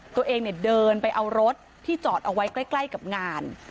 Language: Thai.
ตัวเองเนี่ยเดินไปเอารถที่จอดเอาไว้ใกล้กับงาน